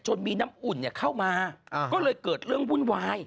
มีน้ำอุ่นเข้ามาก็เลยเกิดเรื่องวุ่นวาย